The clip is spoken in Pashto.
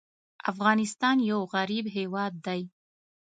افغانستان یو غریب هېواد دی.